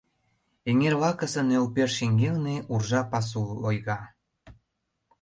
Эҥер лакысе нӧлпер шеҥгелне уржа пасу лойга.